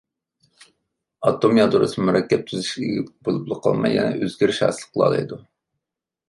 ئاتوم يادروسى مۇرەككەپ تۈزۈلۈشكە ئىگە بولۇپلا قالماي، يەنە ئۆزگىرىش ھاسىل قىلالايدۇ.